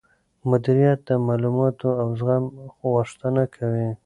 مديريت د معلوماتو او زغم غوښتنه کوي.